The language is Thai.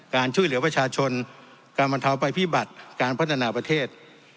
การช่วยเหลือประชาชนการบรรเทาภัยพิบัติการพัฒนาประเทศ